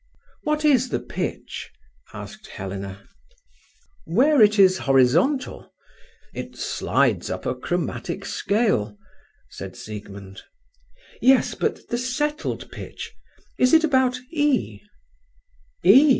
"What is the pitch?" asked Helena. "Where it is horizontal? It slides up a chromatic scale," said Siegmund. "Yes, but the settled pitch—is it about E?" "E!"